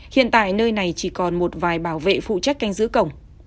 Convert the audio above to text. hiện tại nơi này chỉ còn một vài bảo vệ phụ trách canh giữ cổng